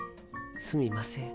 すみません。